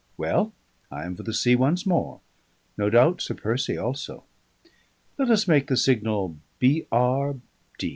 _ _Well, I am for the sea once more; no doubt Sir Percy also. Let us make the signal B. R.